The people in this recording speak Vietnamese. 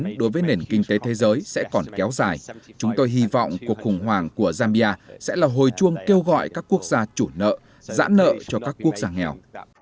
nếu covid một mươi chín đối với nền kinh tế thế giới sẽ còn kéo dài chúng tôi hy vọng cuộc khủng hoảng của zambia sẽ là hồi chuông kêu gọi các quốc gia chủ nợ giảm nợ cho các quốc gia nghèo